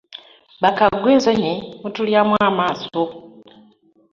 Bakagggwa ensonyi mutultyamu amaso .